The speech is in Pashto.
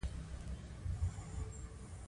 شلوالی بد دی.